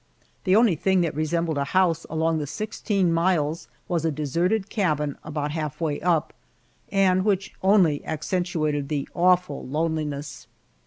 The only thing that resembled a house along the sixteen miles was a deserted cabin about half way up, and which only accentuated the awful loneliness.